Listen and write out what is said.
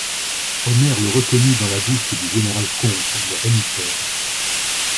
Omer le reconnut dans la bouche du général-comte, leur émissaire.